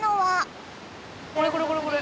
これこれこれこれ。